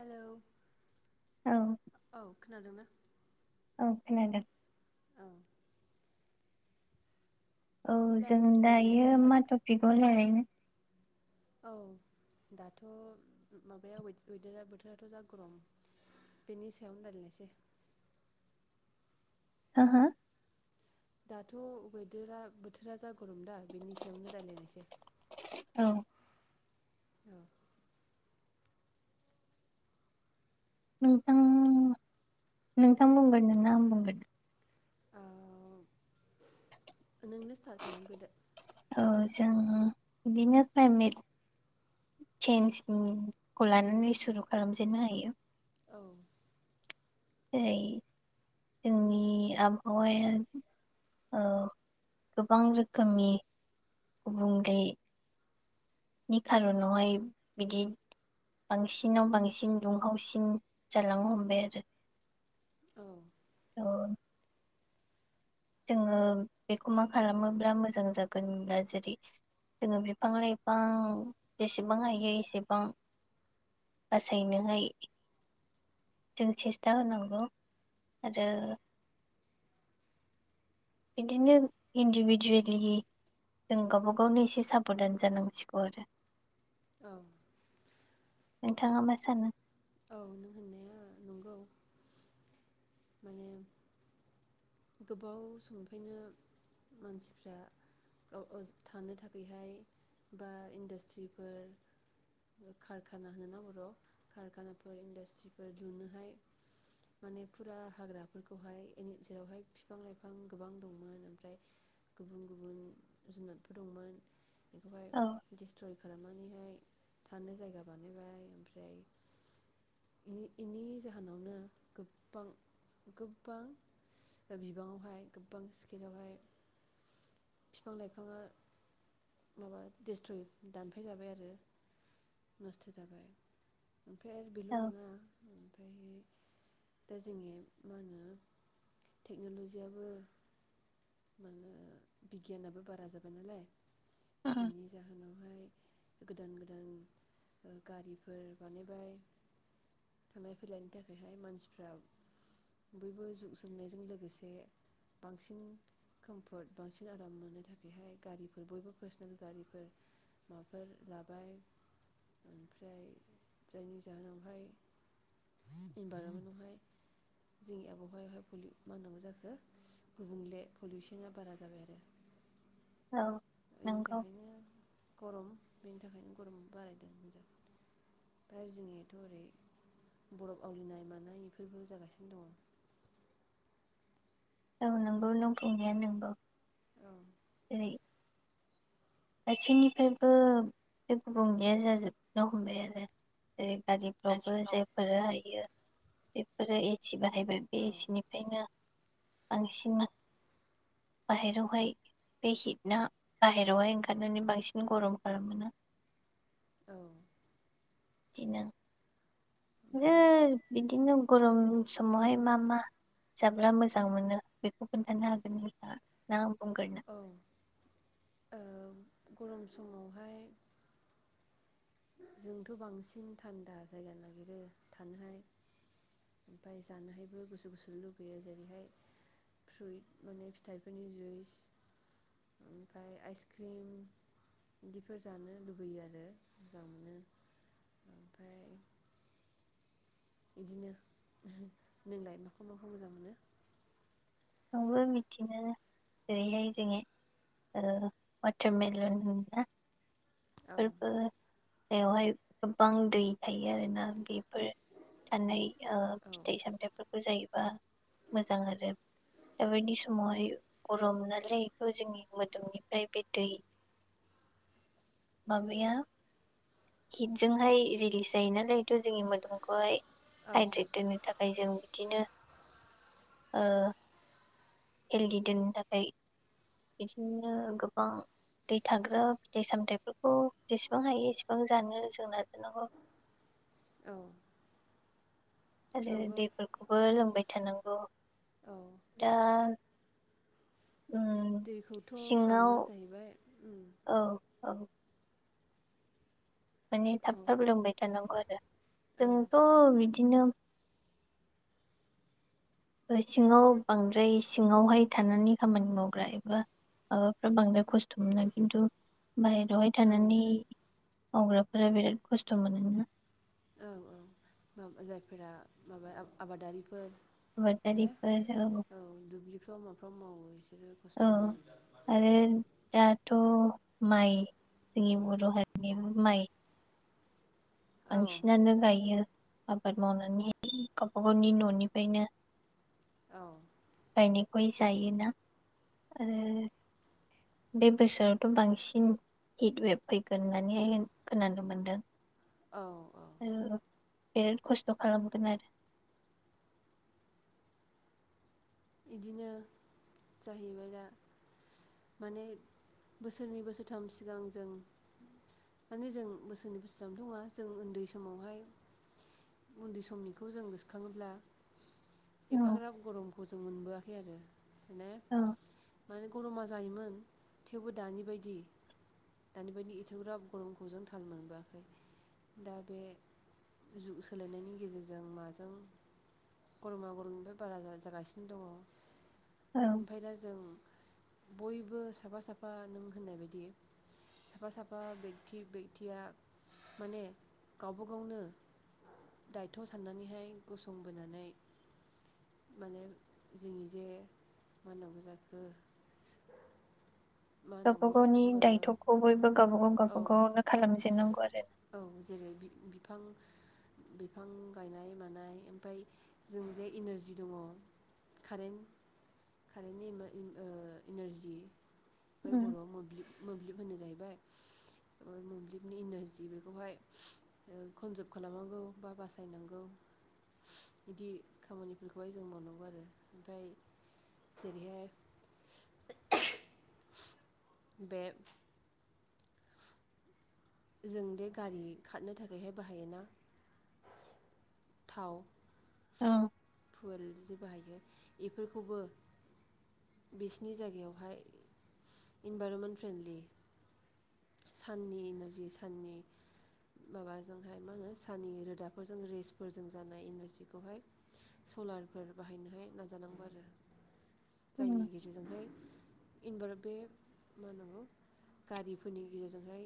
Hello औ औ खोनादोंना? औ खोनादों औ औ जों रायलायनायखौ दायो मा स्टार्ट टपिकाव रायलायनो औ दाथ' माबाया वेदारा बोथोराथ' जा गरम बेनि सायावनो रायायनोसै हो हो? दाथ' बैदोरा बोथोरा जा गरम दा बेनि सायावनो रायलायनोसै औ औ नोंथां नोंथां बुंगोनोना आं बुंगोनो अ नोंनो स्टार्ट खालामग्रोदो औ जों बिदिनो क्लायमेट चेन्जनि खौ लानानै सुरु खालामजेननो हायो औ जेरै जोंनि आबहावाया ओ गोबां रोखोमनि गुबुंले नि खार'नावहाय बिदि बांसिनाव बांसिन दुंहावसिन जालांनो हमबाय आरो औ अ जोङो बेखौ मा खालामोब्ला मोजां जागोन होनब्ला जेरै जोङो बिफां लाइफां जेसेबां हायो एसेबां बासायनोहाय जों सेस्था होनांगौ आरो बिदिनो इन्दिभिजुवेलि जों गावबा गावनो एसे साबधान जानांसिगौ आरो औ नोंथाङा मा सानो? औ नों होननाया नंगौ माने गोबाव समनिफायनो मानसिफ्रा औ औ थानो थाखायहाय बा इन्डास्ट्रिफोर कारखाना होनो ना बर'आव कारखानाफोर इन्डास्ट्रिफोर दिहुनोहाय माने फुरा हाग्राफोरखौहाय जेरावहाय बिफां लाइफां गोबां दंमोन ओमफ्राय गुबुन गुबुन जुनादफोर दंमोन बेखौहाय औ दिस्ट्रय खालाम थांनानैहाय थानो जायगा बानायबाय ओमफ्राय इनि-इनि जाहोनावनो गोबां गोबां दा बिबाङावहाय गोबां स्किलावहाय फिफां लाइफाङा माबा दिस्ट्रय दानफै जाबाय आरो नस्थ' जाबाय ओमफ्राय आरो बेल' औ नङा ओमफायहाय दा जोंनिया मा होनो टेक्न'ल'जियाबो मा होनो बिगियानाबो बारा जाबाय नालाय उम बिनि जाहोनावहाय गोदान गोदान ओ गारिफोर बानायबाय थांलाय फैलायनि थाखायहाय मानसिफ्रा बयबो जुग सोंनायजों लोगोसे बांसिन कोम्फोर्ट बांसिन आराम मोननो थाखायहाय गारिफोर बयबो पार्सनेल गारिफोर माबाफोर लाबाय ओमफ्राय जायनि जाहोनावहाय इनभाइरमेन्टावहाय जोंनि आबहावायावहाय पुलि मा होननांगौ जाखो गुबुंले पलिउसना बारा जाबाय आरो औ बेनि नंगौ थाखायनो गरम बेनि थाखायनो गरम बारायदों होजों ओमफ्राय जोंनियाथ' ओरै बरफ आवलिनाय मानाय इफोरबो जागासिनो दङ औ नोंगौ नों बुंनाया नोंगौ औ जेरै गासैनिफ्रायबो बे गुबुंलेया जाजोबनो हमबाय आरो जेरै गारिफ्रावबो जायफोर हायो बेफ जेरै एसिबा जाहैबाय बे इसेनिफ्रायनो बांसिन बाहेरावहाय बे हिट ना बाहेरायाव ओं खारनानै बांसिन गरम खालामो ना? औ दिनो नो ओमफ्राय बिदिनो गरम उन समावहाय मा मा जाब्ला मोजां मोनो बेखौ खोन्थानो हागोन नोंथाङा ना? बुंगोरनो औ ओ गरम समावहाय जोंथ' बांसिन थान्दा जायगा नागिरो थानोहाय ओमफाय जानोहायबो गुसु गुसु लुबैयो जेरैहाय फ्रुइट माने फिथाइफोरनि जुइस ओमफ्राय आइसक्रिम इदिफोर जानो लुबैयो आरो मोजां मोनो ओमफाय बिदिनो नोंलाय माखौ माखौ मोजां मोनो? आंबो बिदिनो जेरैहाय जोङो ओ वाटारमेलन होनो ना? औ [unintelligible] बेयावहाय गोबां दै थायो आरोना बे [inaudible] ओ औ फिथाइ सामथाय फोर जायोबा मोजां आरो दाबायदि समावहाय गरम नालाय बेथ' जोंनि मोदोमनिफ्राय बे दै माबाया हिटजोंहाय रिलिस जायो नालायथ' जोंनि मोदोमखौहाय [inaudible] औ दोननो थाखाय फ्राय जों बिदिनो ओ हेलदि दोननो थाखाय बिदिनो गोबां दै थाग्रा फिथाइ सामथायाइफोरखौ जेसेबां हायो एसेबां जानो जों नाजानांगौ। औ आरो नंगौ दैफोरखौबो लोंबाय थानांगौ। औ दा उम दैखौथ' सिङाव गाङो जाहैबाय उम औ औ माने थाब औ थाब लोंबाय थानांगौ आरो औ जोंथ' बिदि बिदिनो सिङाव बांद्राय सिङावहाय थानानै खामानि मावग्रा एबा ओ माबाफ्रा बांद्राय खस्थ' मोनो खिन्थु [unintelligible] बेवहाय औ थानानै मावग्राफोरा बिराद खस्थ' मोनोमोन ना? औ औ मा जायफोरा माबा आबादारिफोर [unintelligible] औ दुब्लिफ्राव माफ्राव मावो बिसोरो खस्थ' मोनो। औ आरो दाथ' माइ जोंनि बर' हारिनिबो माइ औ बांसिनानो गायो आबाद मावनानै गावबा गावनि न'निफ्रायनो औ गायनायखौहाय जायोना आरो बे बोसोरावथ' बांसिन हिट वेब फैगोन होननानैहाय खोनानो मोन्दों। औ औ आरो बिराद खस्थ' खालामगोन आरो [inaudible] इदिनो जाहैबाय दा माने बोसोरनै बोसोरथाम सिगां जों माने जों बोसोरनै बोसोरथामथ' नङा जों उन्दै समावहाय उन्दै समनिखौ जों गोसोखाङोब्ला औ एफाग्राब गरम खौ जों मोनबोआखै आरो। औ माने गरमा जायोमोन थेवबो दानि बायदि दानि बायदि एथेवग्राब गरमखौ जों थाल मोनबोआखै दा बे जुग सोलायनायनि गेजेरजों माजों गरमा गरमनिफ्राय बारा जागासिनो औ दङ' ओमफ्राय दा जों बयबो साफा साफा नों होननाय बायदि साफा साफा बेकथि बेकथिया माने गावब गावनो दायथ' साननानैहाय गसंबोनानै माने जोंनि जे मानांगौ जाखो मा गावबा होनांगौ गावनि दायथ'खौ बयबो गावबा गाव औ गावबा गावनो खालामजेननांगौ आरो औ जेरै बिफां बिफां गायनाय मानाय ओमफ्राय जों जे इनारजि दङ' कारेन्ट कारेन्टनि इमा-इम ओ इनारजि बै औ बर'आव मोब्लिब मोब्लिब होनो जाहैबाय मोब्लिबनि इनारजि बेखौहाय कनजार्भ खालामनांगौ बा बासायनांगौ बिदि खामानि बेखौहाय जों मोननांगौ आरो ओमफाय जेरैहाय [unintelligible] बे जों दे गारि खारनो थाखायहाय बाहायोना थाव [inaudible] फुयेल बाहायो बेफोरखौबो बिसिनि जायगायावहाय इनभरमेन्ट फ्रेन्डलि साननि इनारजि साननि माबाजोंहाय मा होनो साननि रोदाफोरजों रेसफोरजों जानाय इनारजिखौहाय सलारफोर बाहायनोहाय नाजानांगौ आरो। औ जायनि गेजेरजोंहाय इनबार बे मा होनांगौ गारि फोरनि गेजेरजोंहाय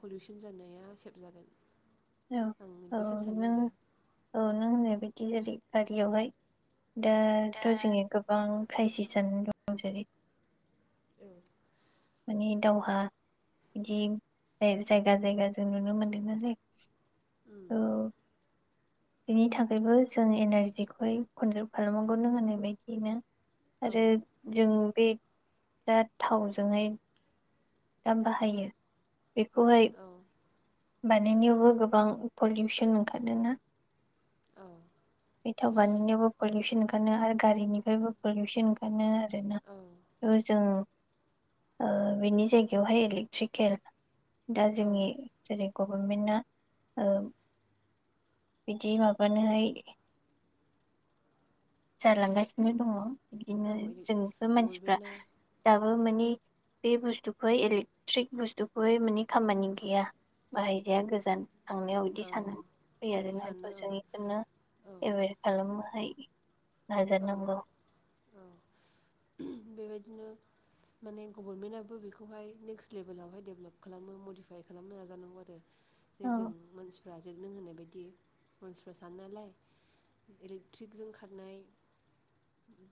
पलिउसन जानाया सेभ जागोन। औ आं औ बेखौनो सानो नों आरो औ नों होननाय बिदि जेरै गारियाव हाय दा दाथ' जोंने गोबां क्रायसिस जाना दं जेरै औ नि दावहा बिदि जायगा जायगा जों नुनो मोनदों नालाय उम औ बेनि थाखायबो जों एनारजिखौहाय कनजार्भ खालामनांगौनो होननाय बायदियैनो औ आरो जों बे दा थाव ज [unintelligible] दाम बाहायो बेखौहाय औ बानायनायावबो गोबां पलिउसन ओंखारदों ना औ बे थाउ बानाय नायावबो पुलुसन ओंखारनो आरो गारिनिफ्रायबो पलुसन ओंखारनो आरोना औ ओ जों ओ बिनि जायगायावहाय इलेक्ट्रिकेल दा औ जोंनि जेरै- गभर्मेन्टआ ओ बिदि माबानोहाय जालांगासिनो दङ। बिदिनो औ इदि जोंथ' मानसिफ्रा बबेबाना दाबो माने बे बुस्थुखौहाय इलेक्ट्रिक बुस्थुखौहाय माने खामानि गैया बाहायजाया गोजान थांनायाव बिदि औ सान फै आरोनाथ' सानो औ जों बेखौनो औ एवेर खालामोहाय नाजा औ नांगौ औ बेबायदिनो माने गभर्नमेन्टआबो बेखौहाय नेकस्ट लेभेलावहाय डेभलप खालामो मडिफाइ खालामनो नाजानांगौ आरो जे औ जों मानसि फोरा जे नों होननाय बायदि मानसिफ्रा सानो नालाय इलेक्ट्रिकजों खारनाय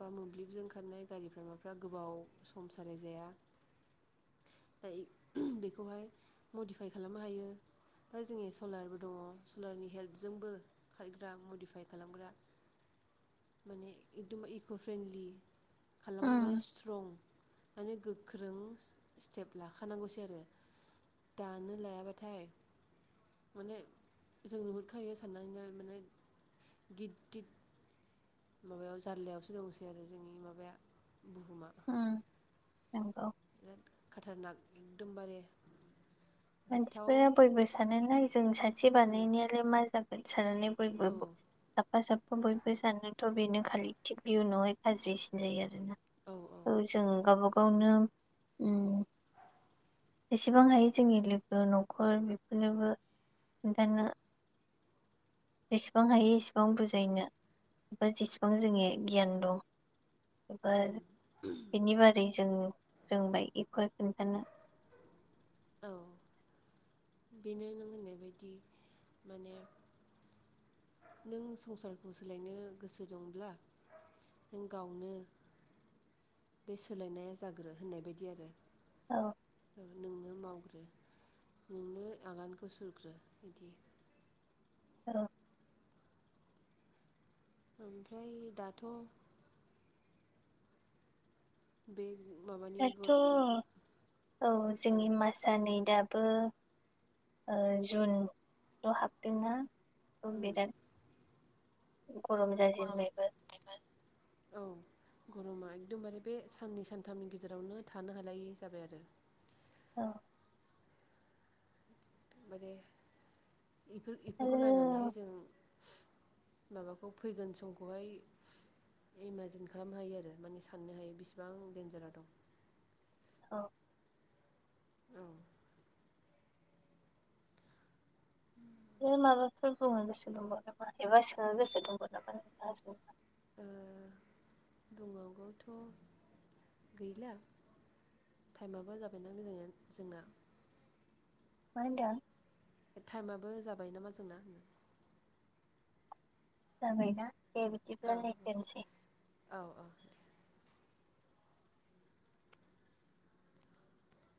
बा मोब्लिबजों खारनाय गारिफोरा माफ्रा गोबाव सम सालायजाया दायो बेखौहाय मडिफाय खालामनो हायो ओमफ्राय जोंनि सलारबो दङ सलारनि हेल्पजोंबो खारग्रा मडिफाइ खालामग्रा माने एकदम इक' फ्रेन्डलि खालामनो उम माने स्ट्रं माने गोख्रों स्टेप लाखानांगौसै आरो दानो लायाबाथाय माने जों नुहुरखायो साननानैनो माने गिदित माबायाव जारलायावसो दंसै आरो जोंनि माबाया बुहुमा उम नंगौ बिराद खाथारनाक एकदमबारे गिथाव मानसिफोरा बयबो सानना नाय दों सासे उम बानायनायालाय मा जा साननानै औ बयबाबो साफा साफा बयबो सानोथ' बेनो खालि थिग बिनि उनावहाय गाज्रिसिन जायो। औ जों गावबा गाव ओं ओं उम एसेबां हायो जोंनि लो गो न'खर बेफोरनोबो खोन्थानो जेसेबां हायो एसेबां बुजायनो बा जेसेबां जोंनि गियान दं एबार बेनि बारै जोंबो रोंबाय इफोर खोनथानो। औ बेनो नों होननाय बायदि माने नों संसारखौ सोलायनो गोसो दंब्ला नों गावनो बे सोलायनाया जाग्रो होननाय बायदि आरो औ नोंनो मावग्रो नोंनो आगानखौ सुरग्रो बिदि। औ। ओमफ्राय दाथ' बे माबानि दाथ' गर ओ औ जोंनि मासानि दा थ' ओ जुन दा हाबदोंना औ उम बिराद गरम जाजेनबायबो। औ गरमा एकदमबारे बे साननै सानथामनि गेजेरावनो थानो हालायै जाबाय आरो औ। बारे इफोर इफोरखौ आरो नायनानैहाय जों माबाखौ फैगोन समखौहाय इमाजिन खालामनो हायो आरो माने साननो हायो बिसिबां देनजाराव दं। औ। औ। बे माबाफोर बुंनो गोसो दंबावो नामा एबा सोंनो गोसो दंबावो नामा नोंथाङा सोंनो हागोन। ओ बुंबावगौथ' गैला टाइमाबो जाबाय ना मोजाङैनो जोंना। मा होनदों? टाइमाबो जाबाय नामा जोंना होनना। जाबाय ना? दे औ बिदिब्लालाय दोनसै। औ औ